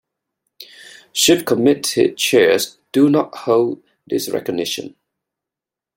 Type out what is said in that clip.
Ship committee chairs do not hold this recognition.